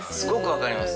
分かります。